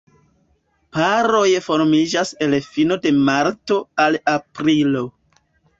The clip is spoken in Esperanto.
Paroj formiĝas el fino de marto al aprilo.